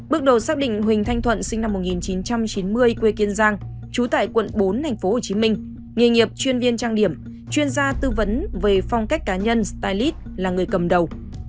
bước đầu xác định huỳnh thanh thuận sinh năm một nghìn chín trăm chín mươi quê kiên giang chú tại quận bốn tp hcm nghề nghiệp chuyên viên trang điểm chuyên gia tư vấn về phong cách cá nhân sty là người cầm đầu